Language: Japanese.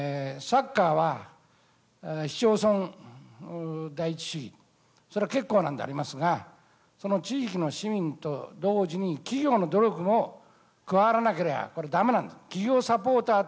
サッカーは市町村第一主義それは結構なんでありますがその地域の市民と同時に企業の努力も加わらなけりゃ